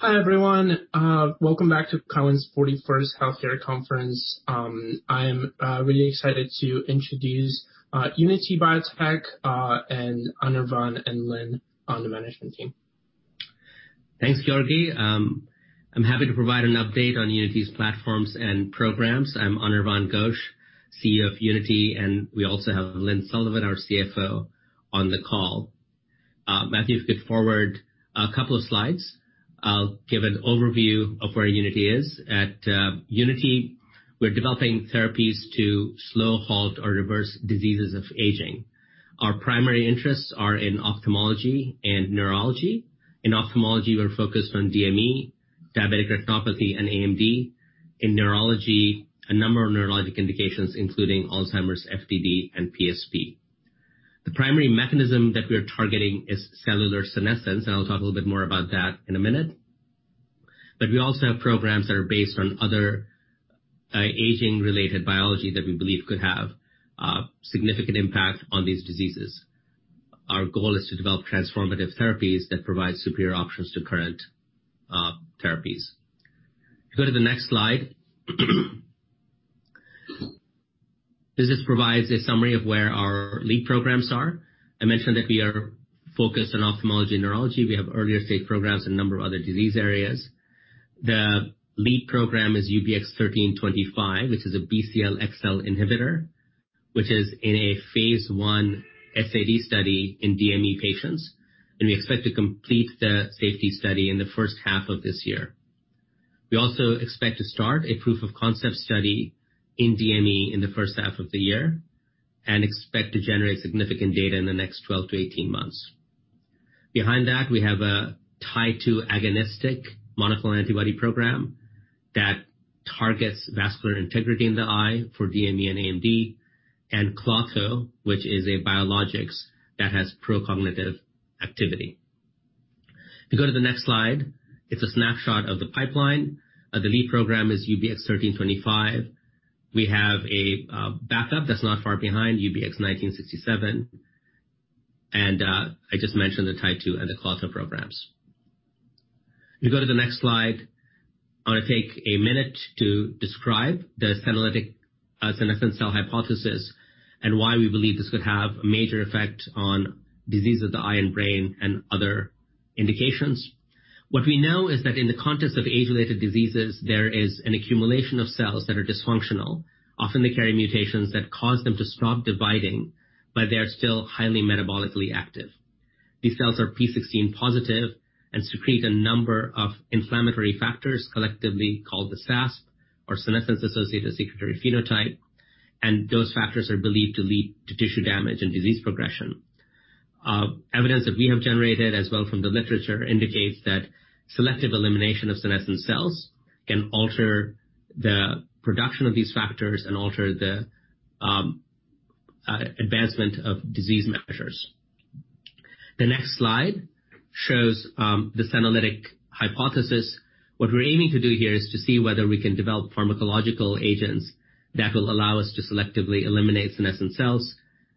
Hi, everyone. Welcome back to Cowen's 41st Healthcare Conference. I am really excited to introduce Unity Biotechnology and Anirvan and Lynne on the management team. Thanks, Jordi. I'm happy to provide an update on Unity's platforms and programs. I'm Anirvan Ghosh, CEO of Unity, and we also have Lynne Sullivan, our CFO, on the call. Matthew, if you could forward a couple of slides, I'll give an overview of where Unity is. At Unity, we're developing therapies to slow, halt, or reverse diseases of aging. Our primary interests are in ophthalmology and neurology. In ophthalmology, we're focused on DME, diabetic retinopathy, and AMD. In neurology, a number of neurologic indications, including Alzheimer's, FTD, and PSP. The primary mechanism that we're targeting is cellular senescence, and I'll talk a little bit more about that in a minute. We also have programs that are based on other aging-related biology that we believe could have a significant impact on these diseases. Our goal is to develop transformative therapies that provide superior options to current therapies. If you go to the next slide. This just provides a summary of where our lead programs are. I mentioned that we are focused on ophthalmology and neurology. We have earlier-stage programs in a number of other disease areas. The lead program is UBX1325, which is a BCL-xL inhibitor, which is in a phase I SAD study in DME patients, and we expect to complete the safety study in the first half of this year. We also expect to start a proof of concept study in DME in the first half of the year and expect to generate significant data in the next 12-18 months. Behind that, we have a TIE2 agonistic monoclonal antibody program that targets vascular integrity in the eye for DME and AMD, and klotho, which is a biologics that has pro-cognitive activity. If you go to the next slide, it's a snapshot of the pipeline. The lead program is UBX1325. We have a backup that's not far behind, UBX1967, and I just mentioned the TIE2 and the klotho programs. If you go to the next slide, I want to take a minute to describe the senolytic senescence cell hypothesis and why we believe this could have a major effect on diseases of the eye and brain and other indications. What we know is that in the context of age-related diseases, there is an accumulation of cells that are dysfunctional. Often, they carry mutations that cause them to stop dividing, but they are still highly metabolically active. These cells are p16-positive and secrete a number of inflammatory factors collectively called the SASP, or senescence-associated secretory phenotype, and those factors are believed to lead to tissue damage and disease progression. Evidence that we have generated as well from the literature indicates that selective elimination of senescent cells can alter the production of these factors and alter the advancement of disease measures. The next slide shows the senolytic hypothesis. What we're aiming to do here is to see whether we can develop pharmacological agents that will allow us to selectively eliminate senescent cells,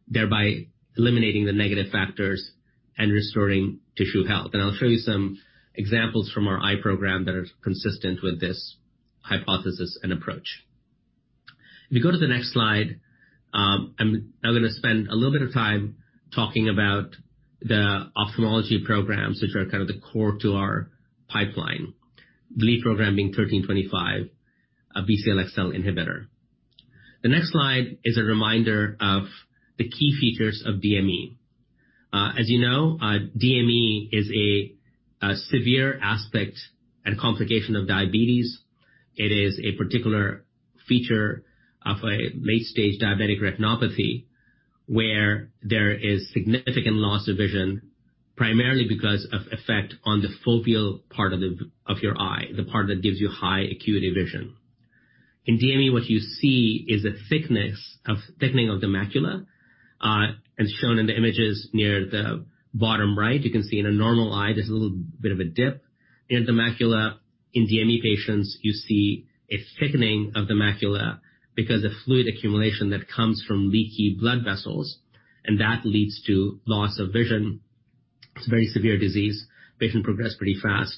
thereby eliminating the negative factors and restoring tissue health. I'll show you some examples from our eye program that are consistent with this hypothesis and approach. If you go to the next slide, I'm now going to spend a little bit of time talking about the ophthalmology programs, which are kind of the core to our pipeline. The lead program being 1325, a BCL-xL inhibitor. The next slide is a reminder of the key features of DME. As you know, DME is a severe aspect and complication of diabetes. It is a particular feature of a late-stage diabetic retinopathy where there is significant loss of vision, primarily because of effect on the foveal part of your eye, the part that gives you high acuity vision. In DME, what you see is a thickening of the macula, as shown in the images near the bottom right. You can see in a normal eye, there's a little bit of a dip in the macula. In DME patients, you see a thickening of the macula because of fluid accumulation that comes from leaky blood vessels, and that leads to loss of vision. It's a very severe disease. Patient progress pretty fast.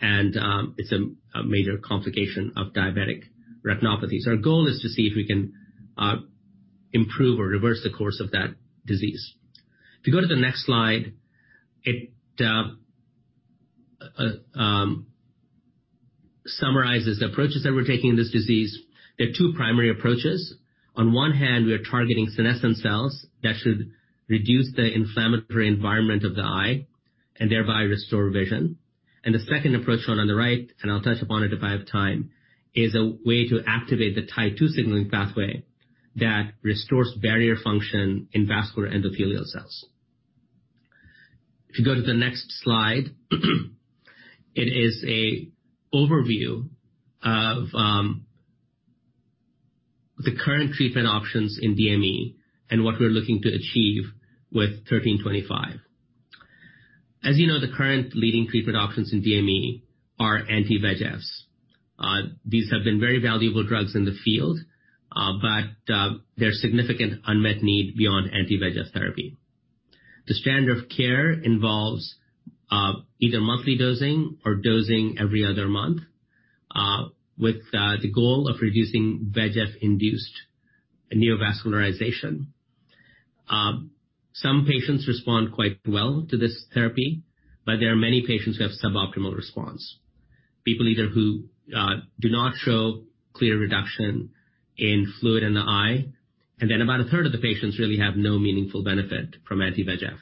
It's a major complication of diabetic retinopathy. Our goal is to see if we can improve or reverse the course of that disease. If you go to the next slide, it summarizes the approaches that we're taking in this disease. There are two primary approaches. On one hand, we are targeting senescent cells that should reduce the inflammatory environment of the eye and thereby restore vision. The second approach shown on the right, and I'll touch upon it if I have time, is a way to activate the TIE2 signaling pathway that restores barrier function in vascular endothelial cells. If you go to the next slide, it is a overview of the current treatment options in DME and what we're looking to achieve with 1325. You know, the current leading treatment options in DME are anti-VEGFs. These have been very valuable drugs in the field, there's significant unmet need beyond anti-VEGF therapy. The standard of care involves either monthly dosing or dosing every other month, with the goal of reducing VEGF-induced neovascularization. Some patients respond quite well to this therapy, there are many patients who have suboptimal response. People either who do not show clear reduction in fluid in the eye, about a third of the patients really have no meaningful benefit from anti-VEGF.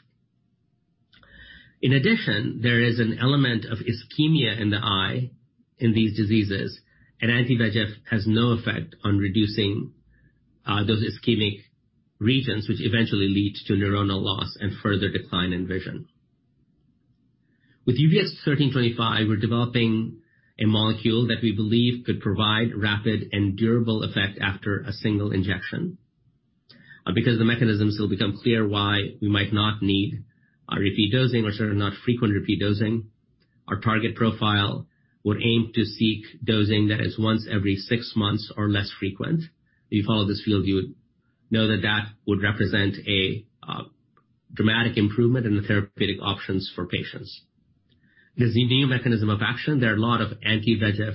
In addition, there is an element of ischemia in the eye in these diseases, anti-VEGF has no effect on reducing those ischemic regions, which eventually leads to neuronal loss and further decline in vision. With UBX1325, we're developing a molecule that we believe could provide rapid and durable effect after a single injection. Because the mechanisms will become clear why we might not need a repeat dosing or certainly not frequent repeat dosing. Our target profile would aim to seek dosing that is once every six months or less frequent. If you follow this field, you would know that that would represent a dramatic improvement in the therapeutic options for patients. There's a new mechanism of action. There are a lot of anti-VEGF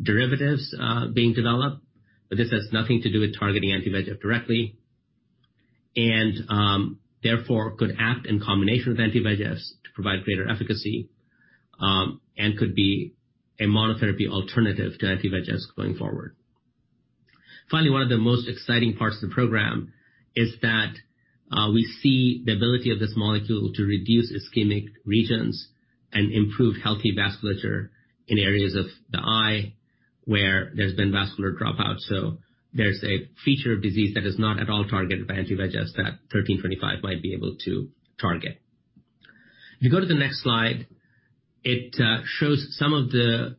derivatives being developed, but this has nothing to do with targeting anti-VEGF directly, and therefore, could act in combination with anti-VEGFs to provide greater efficacy, and could be a monotherapy alternative to anti-VEGFs going forward. Finally, one of the most exciting parts of the program is that we see the ability of this molecule to reduce ischemic regions and improve healthy vasculature in areas of the eye where there's been vascular dropout. There's a feature of disease that is not at all targeted by anti-VEGF that 1325 might be able to target. If you go to the next slide, it shows some of the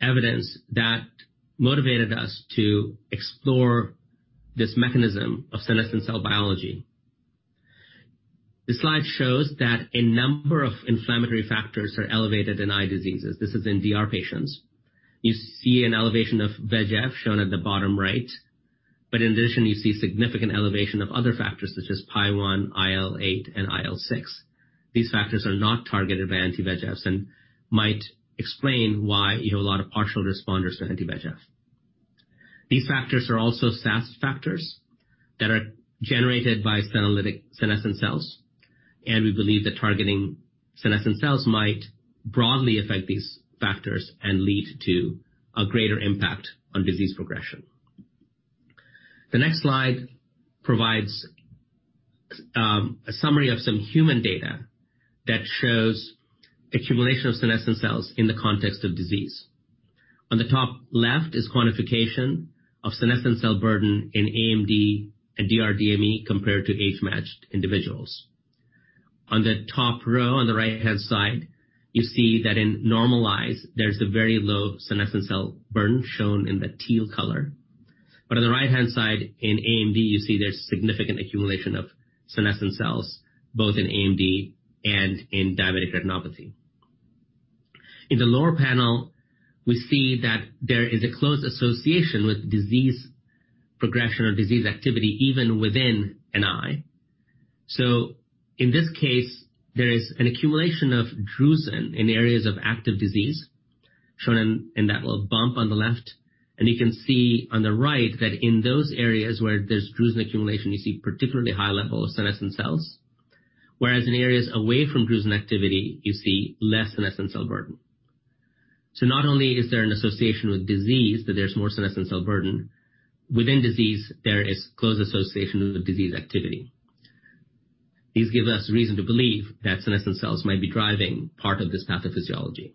evidence that motivated us to explore this mechanism of senescent cell biology. This slide shows that a number of inflammatory factors are elevated in eye diseases. This is in DR patients. You see an elevation of VEGF, shown at the bottom right. In addition, you see significant elevation of other factors such as PAI-1, IL-8, and IL-6. These factors are not targeted by anti-VEGFs and might explain why you have a lot of partial responders to anti-VEGF. These factors are also SASP factors that are generated by senolytic senescent cells, and we believe that targeting senescent cells might broadly affect these factors and lead to a greater impact on disease progression. The next slide provides a summary of some human data that shows accumulation of senescent cells in the context of disease. On the top left is quantification of senescent cell burden in AMD and DR/DME compared to age-matched individuals. On the top row, on the right-hand side, you see that in normal eyes, there's a very low senescent cell burden, shown in the teal color. On the right-hand side, in AMD, you see there's significant accumulation of senescent cells, both in AMD and in diabetic retinopathy. In the lower panel, we see that there is a close association with disease progression or disease activity, even within an eye. In this case, there is an accumulation of drusen in areas of active disease, shown in that little bump on the left. You can see on the right that in those areas where there's drusen accumulation, you see particularly high levels of senescent cells, whereas in areas away from drusen activity, you see less senescent cell burden. Not only is there an association with disease, that there's more senescent cell burden, within disease, there is close association with disease activity. These give us reason to believe that senescent cells might be driving part of this pathophysiology.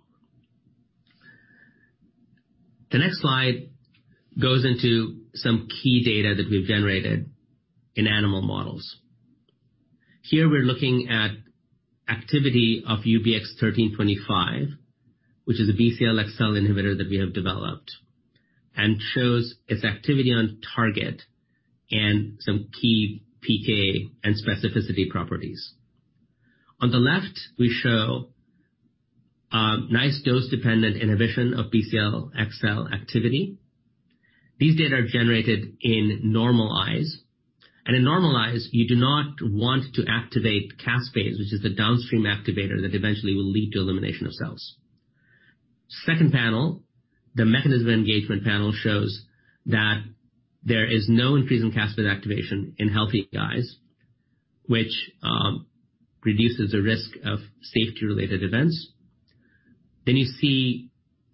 The next slide goes into some key data that we've generated in animal models. Here we're looking at activity of UBX1325, which is a BCL-xL inhibitor that we have developed, and shows its activity on target and some key PK and specificity properties. On the left, we show a nice dose-dependent inhibition of BCL-xL activity. These data are generated in normal eyes. In normal eyes, you do not want to activate caspase, which is the downstream activator that eventually will lead to elimination of cells. Second panel, the mechanism of engagement panel shows that there is no increase in caspase activation in healthy eyes, which reduces the risk of safety-related events. You see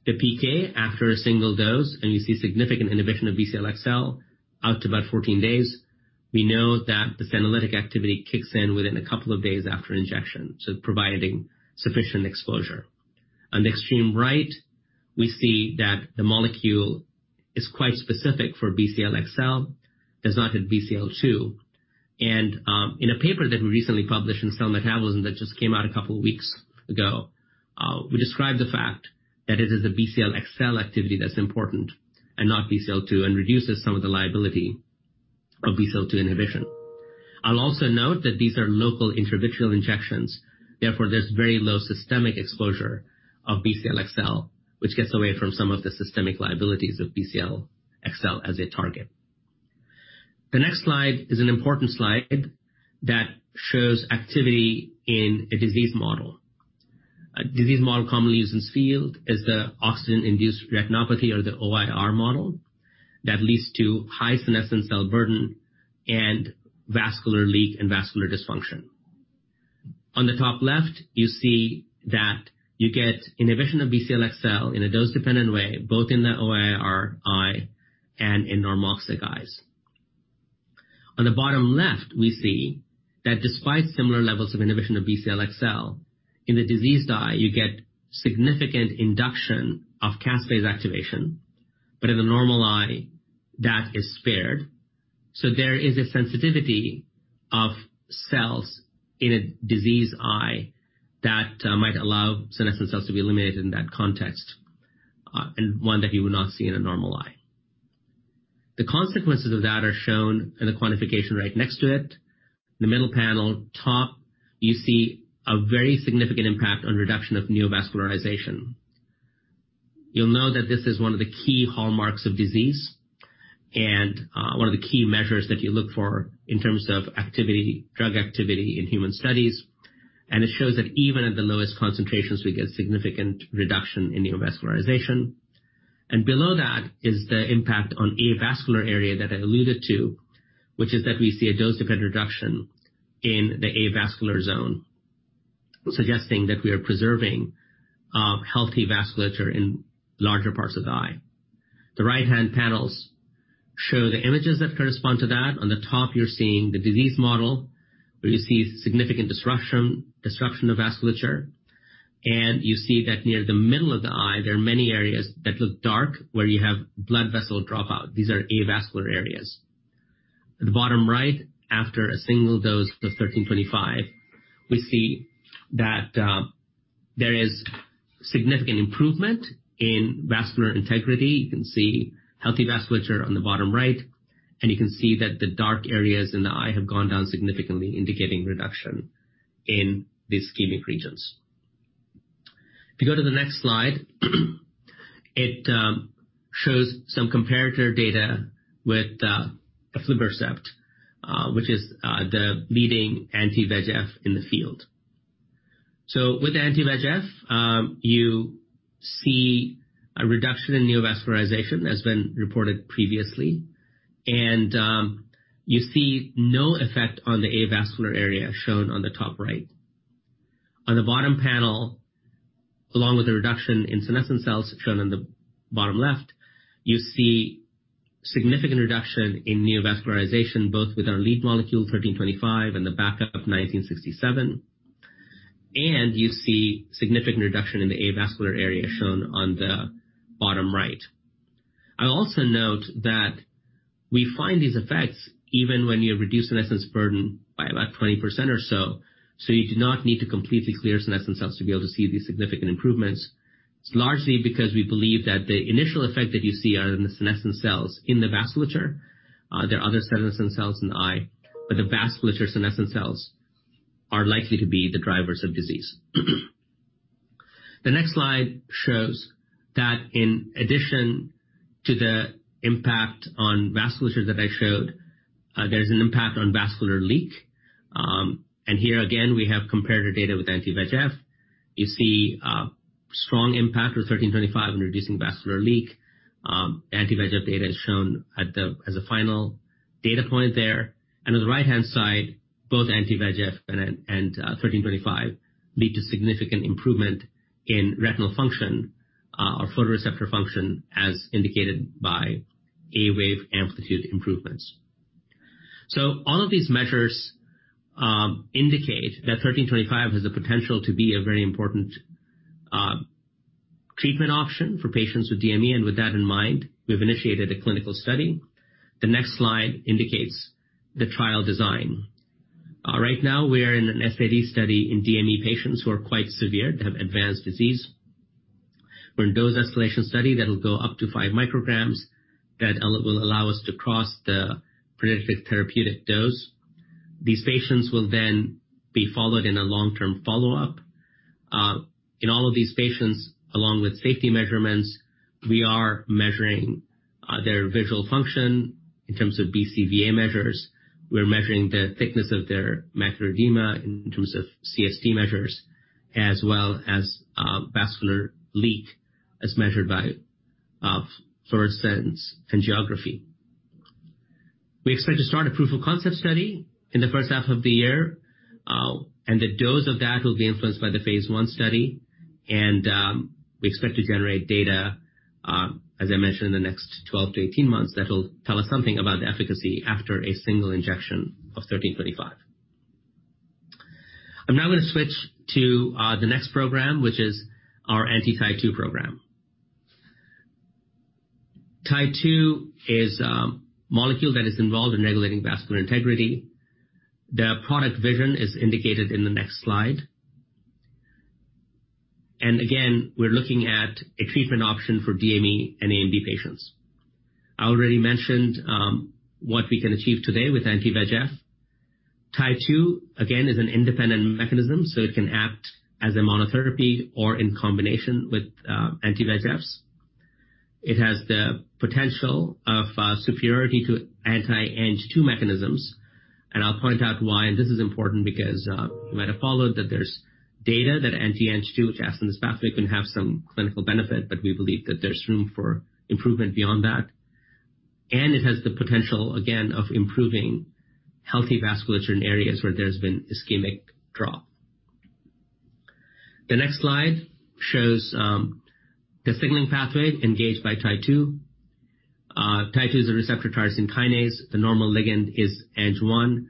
the PK after a single dose, and you see significant inhibition of BCL-xL out to about 14 days. We know that the senolytic activity kicks in within a couple of days after injection, so providing sufficient exposure. On the extreme right, we see that the molecule is quite specific for BCL-xL, does not hit Bcl-2. In a paper that we recently published in Cell Metabolism that just came out a couple weeks ago, we describe the fact that it is the BCL-xL activity that's important and not Bcl-2, and reduces some of the liability of Bcl-2 inhibition. I'll also note that these are local intravitreal injections. Therefore, there's very low systemic exposure of BCL-xL, which gets away from some of the systemic liabilities of BCL-xL as a target. The next slide is an important slide that shows activity in a disease model. A disease model commonly used in this field is the oxygen-induced retinopathy, or the OIR model, that leads to high senescent cell burden and vascular leak and vascular dysfunction. On the top left, you see that you get inhibition of BCLXL in a dose-dependent way, both in the OIR eye and in normoxic eyes. On the bottom left, we see that despite similar levels of inhibition of BCL-xL, in the diseased eye, you get significant induction of caspase activation. In the normal eye, that is spared. There is a sensitivity of cells in a diseased eye that might allow senescent cells to be eliminated in that context, and one that you would not see in a normal eye. The consequences of that are shown in the quantification right next to it. In the middle panel, top, you see a very significant impact on reduction of neovascularization. You'll know that this is one of the key hallmarks of disease and one of the key measures that you look for in terms of drug activity in human studies. It shows that even at the lowest concentrations, we get significant reduction in neovascularization. Below that is the impact on avascular area that I alluded to, which is that we see a dose-dependent reduction in the avascular zone, suggesting that we are preserving healthy vasculature in larger parts of the eye. The right-hand panels show the images that correspond to that. On the top, you're seeing the disease model, where you see significant disruption of vasculature. You see that near the middle of the eye, there are many areas that look dark, where you have blood vessel dropout. These are avascular areas. At the bottom right, after a single dose of 1325, we see that there is significant improvement in vascular integrity. You can see healthy vasculature on the bottom right, and you can see that the dark areas in the eye have gone down significantly, indicating reduction in these ischemic regions. If you go to the next slide, it shows some comparator data with aflibercept, which is the leading anti-VEGF in the field. With anti-VEGF, you see a reduction in neovascularization as been reported previously, and you see no effect on the avascular area shown on the top right. On the bottom panel, along with a reduction in senescent cells shown on the bottom left, you see significant reduction in neovascularization, both with our lead molecule, 1325, and the backup, 1967. You see significant reduction in the avascular area shown on the bottom right. I also note that we find these effects even when you reduce senescence burden by about 20% or so. You do not need to completely clear senescent cells to be able to see these significant improvements. It's largely because we believe that the initial effect that you see are in the senescent cells in the vasculature. There are other senescent cells in the eye, but the vasculature senescent cells are likely to be the drivers of disease. The next slide shows that in addition to the impact on vasculature that I showed, there is an impact on vascular leak. Here again, we have comparator data with anti-VEGF. You see a strong impact with 1325 in reducing vascular leak. Anti-VEGF data is shown as a final data point there. On the right-hand side, both anti-VEGF and 1325 lead to significant improvement in retinal function or photoreceptor function, as indicated by a-wave amplitude improvements. All of these measures indicate that 1325 has the potential to be a very important treatment option for patients with DME. With that in mind, we've initiated a clinical study. The next slide indicates the trial design. Right now, we are in an SAD study in DME patients who are quite severe. They have advanced disease. We're in a dose escalation study that will go up to five micrograms that will allow us to cross the predictive therapeutic dose. These patients will then be followed in a long-term follow-up. In all of these patients, along with safety measurements, we are measuring their visual function in terms of BCVA measures. We're measuring the thickness of their macula edema in terms of CST measures, as well as vascular leak as measured by fluorescein angiography. We expect to start a proof of concept study in the first half of the year, and the dose of that will be influenced by the phase I study. We expect to generate data, as I mentioned, in the next 12-18 months, that will tell us something about the efficacy after a single injection of UBX1325. I'm now going to switch to the next program, which is our anti-TIE2 program. TIE2 is a molecule that is involved in regulating vascular integrity. The product vision is indicated in the next slide. Again, we're looking at a treatment option for DME and AMD patients. I already mentioned what we can achieve today with anti-VEGF. TIE2, again, is an independent mechanism, so it can act as a monotherapy or in combination with anti-VEGFs. It has the potential of superiority to anti-Ang2 mechanisms. I'll point out why. This is important because you might have followed that there's data that anti-Ang2, which as in the specific, can have some clinical benefit, but we believe that there's room for improvement beyond that. It has the potential, again, of improving healthy vasculature in areas where there's been ischemic drop. The next slide shows the signaling pathway engaged by TIE2. TIE2 is a receptor tyrosine kinase. The normal ligand is Ang1.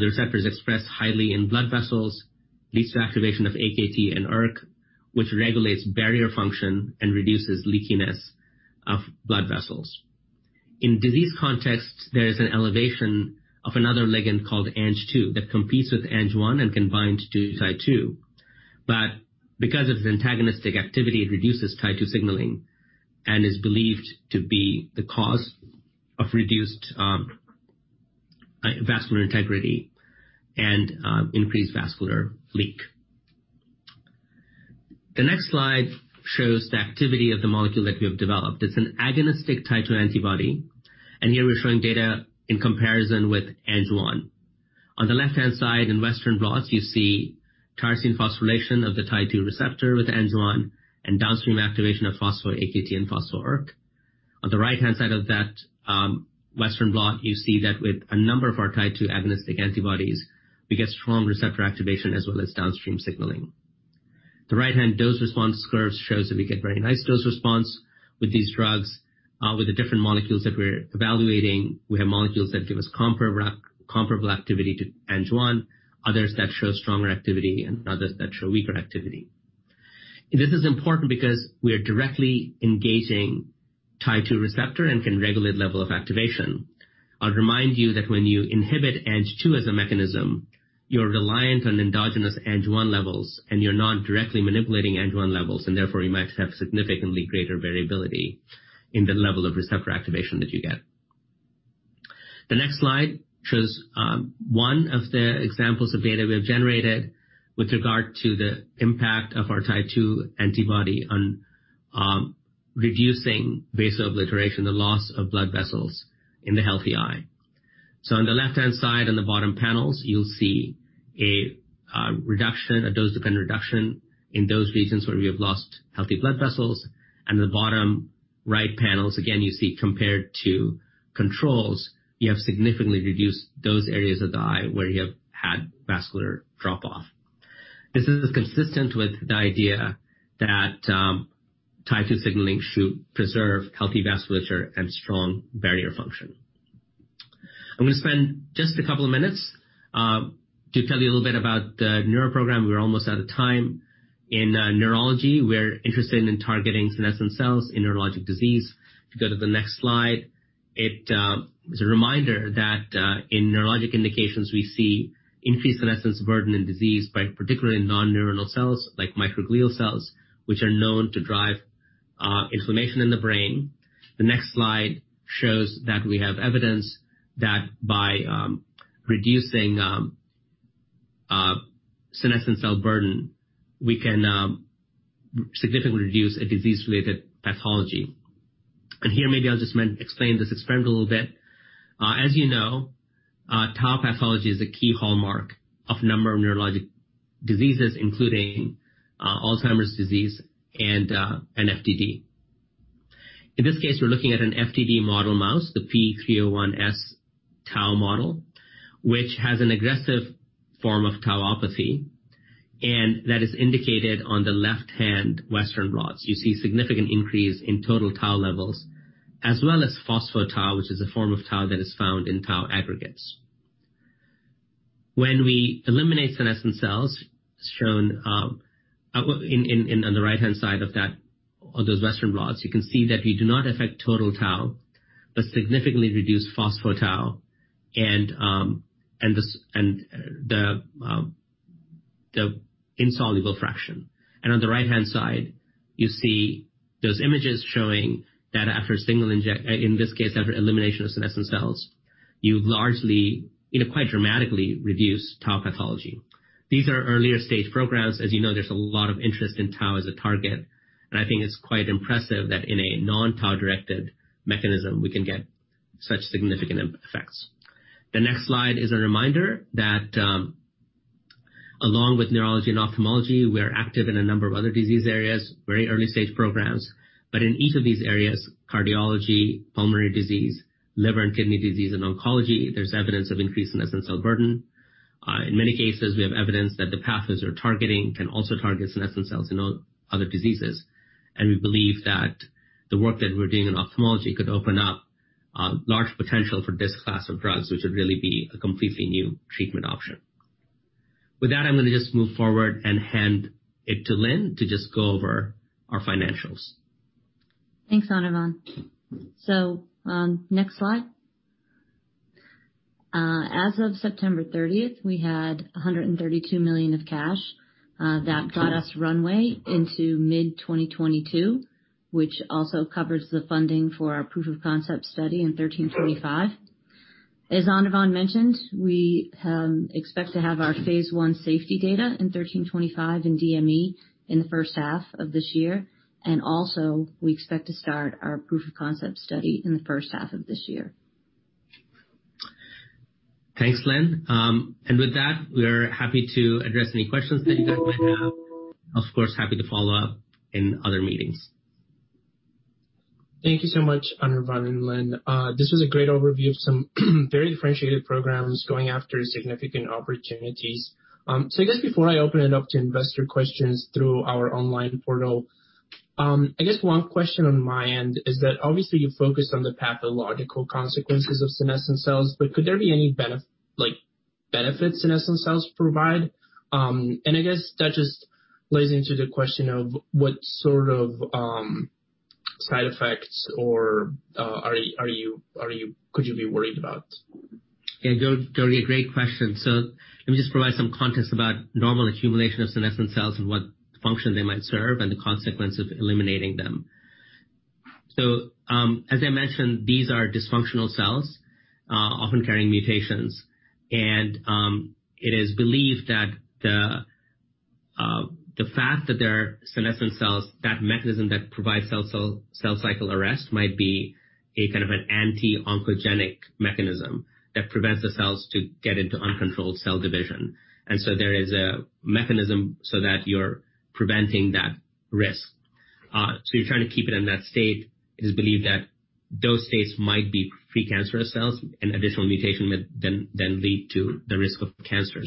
The receptor is expressed highly in blood vessels, leads to activation of AKT and ERK, which regulates barrier function and reduces leakiness of blood vessels. In disease contexts, there is an elevation of another ligand called Ang2 that competes with Ang1 and can bind to TIE2. Because of its antagonistic activity, it reduces TIE2 signaling and is believed to be the cause of reduced vascular integrity and increased vascular leak. The next slide shows the activity of the molecule that we have developed. It's an agonistic Tie2 antibody, and here we're showing data in comparison with Ang1. On the left-hand side, in Western blots, you see tyrosine phosphorylation of the Tie2 receptor with Ang1 and downstream activation of phospho-AKT and phospho-ERK. On the right-hand side of that Western blot, you see that with a number of our Tie2 agonistic antibodies, we get strong receptor activation as well as downstream signaling. The right-hand dose response curves shows that we get very nice dose response with these drugs. With the different molecules that we're evaluating, we have molecules that give us comparable activity to Ang1, others that show stronger activity and others that show weaker activity. This is important because we are directly engaging Tie2 receptor and can regulate level of activation. I'll remind you that when you inhibit Ang2 as a mechanism, you're reliant on endogenous Ang1 levels, you're not directly manipulating Ang1 levels. Therefore, you might have significantly greater variability in the level of receptor activation that you get. The next slide shows one of the examples of data we have generated with regard to the impact of our TIE2 antibody on reducing vasoliteration, the loss of blood vessels in the healthy eye. On the left-hand side, on the bottom panels, you'll see a dose-dependent reduction in those regions where we have lost healthy blood vessels. The bottom right panels, again, you see compared to controls, you have significantly reduced those areas of the eye where you have had vascular drop-off. This is consistent with the idea that TIE2 signaling should preserve healthy vasculature and strong barrier function. I'm going to spend just a couple of minutes, to tell you a little bit about the neuro program. We're almost out of time. In neurology, we're interested in targeting senescent cells in neurologic disease. If you go to the next slide, it is a reminder that in neurologic indications, we see increased senescence burden in disease by particularly non-neuronal cells like microglial cells, which are known to drive inflammation in the brain. The next slide shows that we have evidence that by reducing senescent cell burden, we can significantly reduce a disease-related pathology. Here, maybe I'll just explain this, expand it a little bit. As you know, tau pathology is a key hallmark of a number of neurologic diseases, including Alzheimer's disease and FTD. In this case, we're looking at an FTD model mouse, the P301S tau model, which has an aggressive form of tauopathy, and that is indicated on the left-hand Western blots. You see significant increase in total tau levels, as well as phospho-tau, which is a form of tau that is found in tau aggregates. When we eliminate senescent cells, as shown on the right-hand side of those Western blots, you can see that we do not affect total tau, but significantly reduce phospho-tau and the insoluble fraction. On the right-hand side, you see those images showing that in this case, after elimination of senescent cells, you've largely, quite dramatically, reduced tau pathology. These are earlier-stage programs. As you know, there's a lot of interest in tau as a target, and I think it's quite impressive that in a non-tau-directed mechanism, we can get such significant effects. The next slide is a reminder that along with neurology and ophthalmology, we are active in a number of other disease areas, very early-stage programs. In each of these areas, cardiology, pulmonary disease, liver and kidney disease, and oncology, there's evidence of increased senescent cell burden. In many cases, we have evidence that the pathways we're targeting can also target senescent cells in other diseases. We believe that the work that we're doing in ophthalmology could open up large potential for this class of drugs, which would really be a completely new treatment option. With that, I'm going to just move forward and hand it to Lynne to just go over our financials. Thanks, Anirvan. Next slide. As of September 30th, we had $132 million of cash. That got us runway into mid-2022. Which also covers the funding for our proof of concept study in 1325. As Anirvan mentioned, we expect to have our phase I safety data in 1325 and DME in the first half of this year, and also we expect to start our proof of concept study in the first half of this year. Thanks, Lynne. With that, we are happy to address any questions that you guys might have. Of course, happy to follow up in other meetings. Thank you so much, Anirvan and Lynne. This was a great overview of some very differentiated programs going after significant opportunities. I guess before I open it up to investor questions through our online portal, I guess one question on my end is that obviously you focus on the pathological consequences of senescent cells, but could there be any benefits senescent cells provide? I guess that just plays into the question of what sort of side effects could you be worried about? Yeah, Jordi, a great question. Let me just provide some context about normal accumulation of senescent cells and what function they might serve, and the consequence of eliminating them. As I mentioned, these are dysfunctional cells, often carrying mutations. It is believed that the fact that there are senescent cells, that mechanism that provides cell cycle arrest might be a kind of an anti-oncogenic mechanism that prevents the cells to get into uncontrolled cell division. There is a mechanism so that you're preventing that risk. You're trying to keep it in that state. It is believed that those states might be pre-cancerous cells, an additional mutation that then lead to the risk of cancer.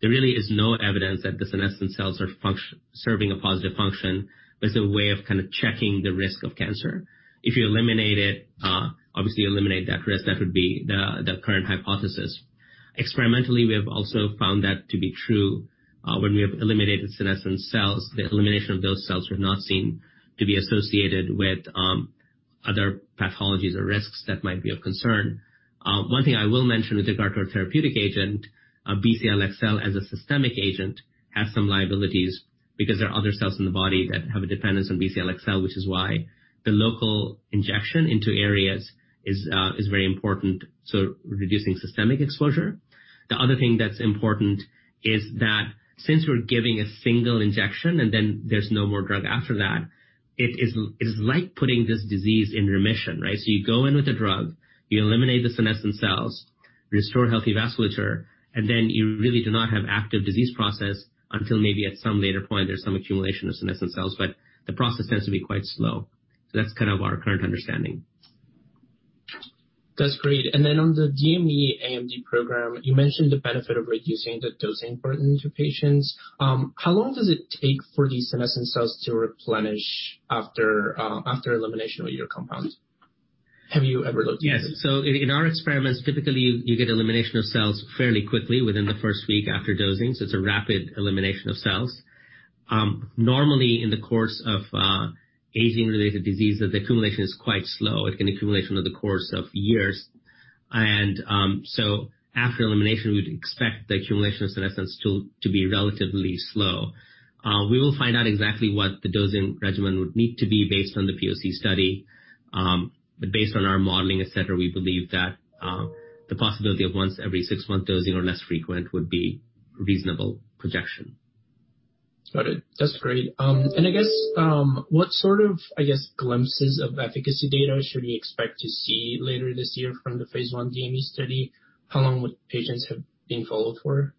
There really is no evidence that the senescent cells are serving a positive function, but it's a way of kind of checking the risk of cancer. If you eliminate it, obviously eliminate that risk, that would be the current hypothesis. Experimentally, we have also found that to be true, when we have eliminated senescent cells, the elimination of those cells were not seen to be associated with other pathologies or risks that might be of concern. One thing I will mention with regard to a therapeutic agent, BCL-xL as a systemic agent has some liabilities because there are other cells in the body that have a dependence on BCL-xL, which is why the local injection into areas is very important, so reducing systemic exposure. Other thing that's important is that since we're giving a single injection and then there's no more drug after that, it is like putting this disease in remission, right? You go in with a drug, you eliminate the senescent cells, restore healthy vasculature, and then you really do not have active disease process until maybe at some later point, there's some accumulation of senescent cells, but the process tends to be quite slow. That's kind of our current understanding. That's great. On the DME AMD program, you mentioned the benefit of reducing the dosing burden to patients. How long does it take for these senescent cells to replenish after elimination of your compound? Have you ever looked into this? Yes. In our experiments, typically, you get elimination of cells fairly quickly within the first week after dosing. It's a rapid elimination of cells. Normally, in the course of aging-related diseases, the accumulation is quite slow. It can accumulate over the course of years. After elimination, we would expect the accumulation of senescence to be relatively slow. We will find out exactly what the dosing regimen would need to be based on the POC study. Based on our modeling, et cetera, we believe that the possibility of once every six-month dosing or less frequent would be reasonable projection. Got it. That's great. I guess, what sort of glimpses of efficacy data should we expect to see later this year from the phase I DME study? How long would patients have been followed for?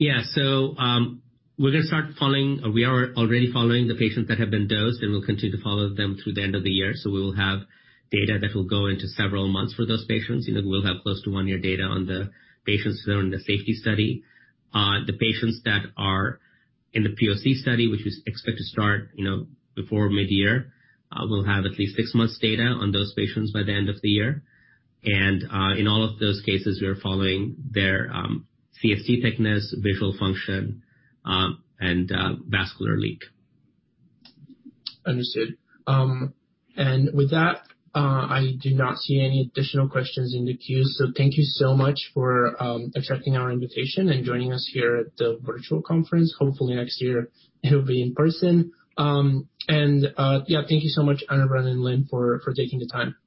We are already following the patients that have been dosed, and we'll continue to follow them through the end of the year. We will have data that will go into several months for those patients. We'll have close to one-year data on the patients who are in the safety study. The patients that are in the POC study, which is expected to start before mid-year. We'll have at least six months data on those patients by the end of the year. In all of those cases, we are following their CST thickness, visual function, and vascular leak. Understood. With that, I do not see any additional questions in the queue. Thank you so much for accepting our invitation and joining us here at the virtual conference. Hopefully, next year it'll be in person. Thank you so much, Anirvan and Lynne for taking the time.